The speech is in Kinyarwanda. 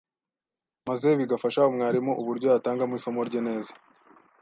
maze bigafasha mwarimu uburyo yatangamo isomo rye neza.